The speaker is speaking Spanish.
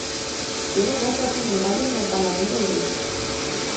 Tiene dos representantes en el parlamento griego.